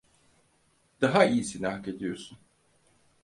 Daha iyisini hak ediyorsun.